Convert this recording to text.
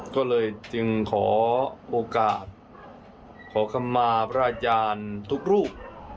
ก็เลยจึงขอโอกาสขอคำมาพระอาจารย์ทุกรูป